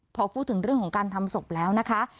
พอพูดถึงเรื่องของการทำศพแล้วนะคะ